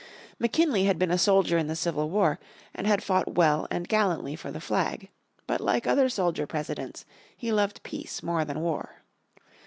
McKinley had been a soldier in the Civil War, and had fought well and gallantly for the flag. But like other soldier Presidents he loved peace more than war.